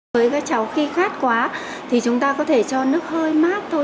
với các cháu khi khoát quá thì chúng ta có thể cho nước hơi mát thôi